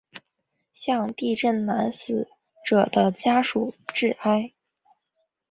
向地震男死者的家庭致哀。